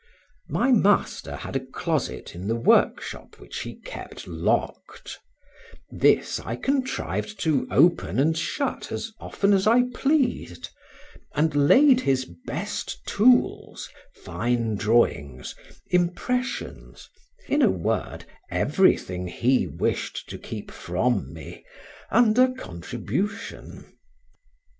My master had a closet in the workshop, which he kept locked; this I contrived to open and shut as often as I pleased, and laid his best tools, fine drawings, impressions, in a word, everything he wished to keep from me, under contribution.